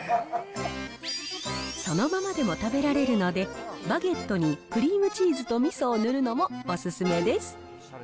そのままでも食べられるので、バゲットにクリームチーズとみそを塗るのもお勧めです。